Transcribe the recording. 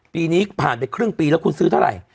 ปีนี้ผ่านไปครึ่งปีแล้วคุณซื้อเท่าไหร่